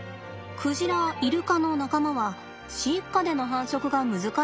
クジライルカの仲間は飼育下での繁殖が難しいんですって。